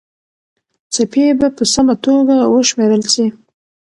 څپې به په سمه توګه وشمېرل سي.